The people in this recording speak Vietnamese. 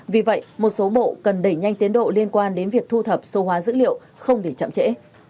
vì vậy một số bộ cần đẩy nhanh tiến độ liên quan đến việc thu thập số hóa dữ liệu không để chậm trễ